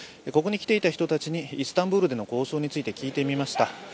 ここに来ていた人たちにイスタンブールでの交渉について聞いてみました。